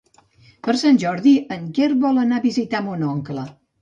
Per Sant Jordi en Quer vol anar a visitar mon oncle.